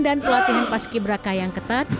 dan pelatihan paski beraka yang ketat